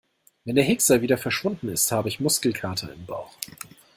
Wenn der Hickser wieder verschwunden ist, habe ich Muskelkater im Bauch.